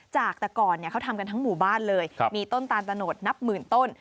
จากแต่ก่อนเขาทำกันทั้งหมู่บ้านเลยมีต้นตาลตะโนดนับหมื่นต้น